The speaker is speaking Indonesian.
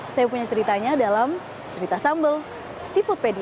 saya punya ceritanya dalam cerita sambal di foodpedia